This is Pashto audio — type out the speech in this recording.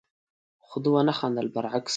خو ده ونه خندل، برعکس،